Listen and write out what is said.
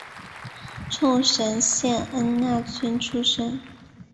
冲绳县恩纳村出身。